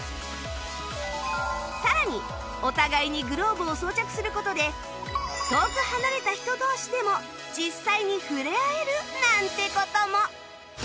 さらにお互いにグローブを装着する事で遠く離れた人同士でも実際に触れ合えるなんて事も